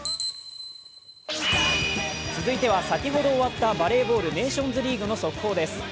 続いては先ほど終わったバレーボール・ネーションズリーグの速報です。